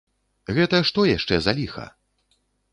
Гэта што яшчэ за ліха?